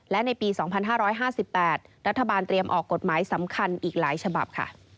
และในปี๒๕๕๘รัฐบาลเตรียมออกกฎหมายสำคัญอีกหลายฉบับค่ะ